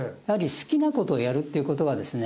好きなことをやるっていうことはですね